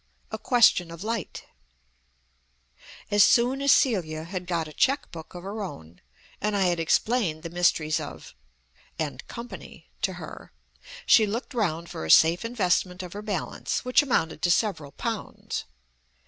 A QUESTION OF LIGHT As soon as Celia had got a cheque book of her own (and I had explained the mysteries of "& Co." to her), she looked round for a safe investment of her balance, which amounted to several pounds.